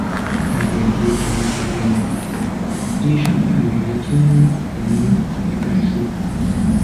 台北地方法院一审判决金恒炜败诉。